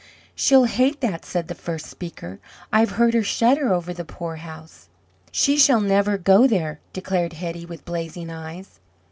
"She'll hate that," said the first speaker. "I've heard her shudder over the poorhouse." "She shall never go there!" declared Hetty, with blazing eyes.